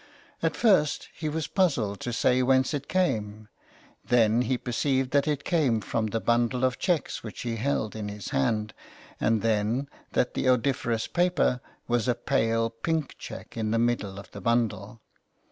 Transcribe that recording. At first he was puzzled to say whence it came; then he per ceived that it had come from the bundle of cheques which he held in his hand ; and then that the odoriferous paper was a pale pink cheque in the middle of the bundle.